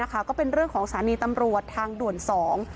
ก็เป็นเรื่องของสถานีตำรวจทางด่วนสอง